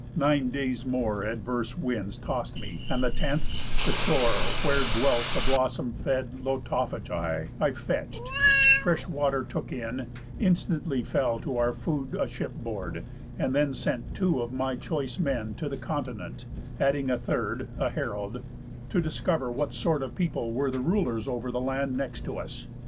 Nine days more Adverse winds toss'd me; and the tenth, the shore, Where dwelt the blossom fed Lotophagi, I fetch'd, fresh water took in, instantly Fell to our food aship board, and then sent Two of my choice men to the continent (Adding a third, a herald) to discover What sort of people were the rulers over The land next to us.